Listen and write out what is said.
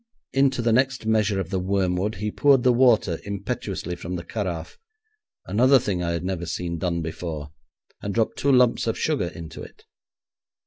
Into the next measure of the wormwood he poured the water impetuously from the carafe, another thing I had never seen done before, and dropped two lumps of sugar into it.